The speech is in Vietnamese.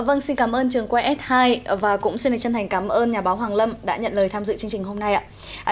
vâng xin cảm ơn trường quay s hai và cũng xin chân thành cảm ơn nhà báo hoàng lâm đã nhận lời tham dự chương trình hôm nay ạ